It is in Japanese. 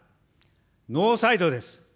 ノーサイドです。